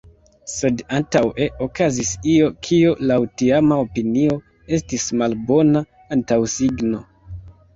Sed antaŭe okazis io, kio, laŭ tiama opinio, estis malbona antaŭsigno.